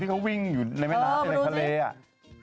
ที่เขาวิ่งอยู่ในเมืองน้ำในทะเลอ่ะเออมาดูนี่